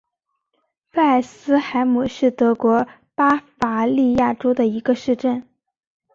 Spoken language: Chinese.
菲尔斯海姆是德国巴伐利亚州的一个市镇。